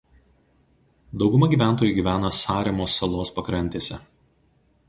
Dauguma gyventojų gyvena Saremos salos pakrantėse.